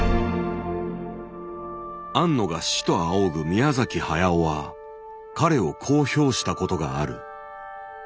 庵野が師と仰ぐ宮崎駿は彼をこう評したことがある。